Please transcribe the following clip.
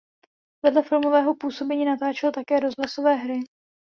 Vedle filmového působení natáčel také rozhlasové hry.